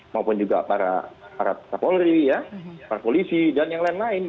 maupun juga para para polisi dan yang lain lain